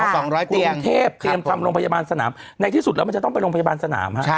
กรุงเทพเตรียมทำโรงพยาบาลสนามในที่สุดแล้วมันจะต้องไปโรงพยาบาลสนามฮะ